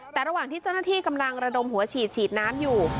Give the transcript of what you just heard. แต่ระหว่างที่เจ้าหน้าที่กำลังระดมหัวฉีดฉีดน้ำอยู่